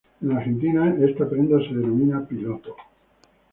En Argentina esta prenda se denomina piloto.